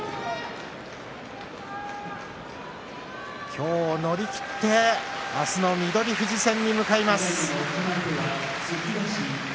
今日を乗り切って明日の翠富士戦に向かいます。